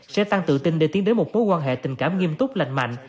sẽ tăng tự tin để tiến đến một mối quan hệ tình cảm nghiêm túc lành mạnh